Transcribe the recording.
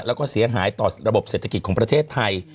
แล้วก็เสียหายต่อระบบเศรษฐกิจของประเทศไทย